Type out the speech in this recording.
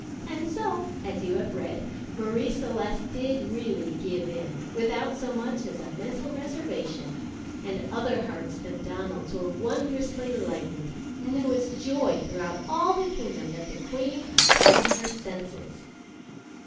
And so, as you have read, Marie Celeste did really give in, without so much as a mental reservation, and other hearts than Donald's were wondrously lightened, and there was joy throughout all the kingdom that the queen had come to her senses.